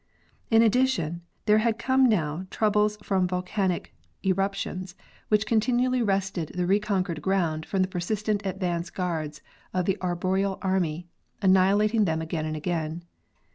In addition, there had come new troubles from volcanic erup 130 B. HE. Fernow—The Battle of the Forest. tions, which continually wrested the reconquered ground from the persistent advance guards of the arboreal army, annihilating them again and again.